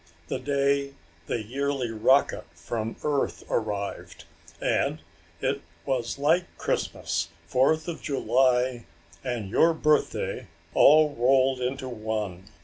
the day the yearly rocket from Earth arrived, and it was like Christmas, Fourth of July and your birthday all rolled into one!